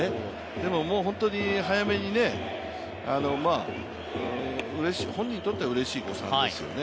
でももうホントに早めに、本人にとってはうれしい誤算ですよね。